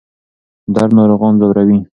درد ناروغان ځوروي.